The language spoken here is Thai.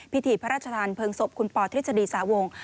พิธีพระอธิษฐานเผลิงศพคุณป่อทฤษฎีสาวงค์